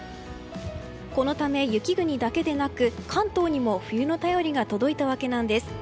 このため雪国だけでなく関東にも冬の便りが届いたわけなんです。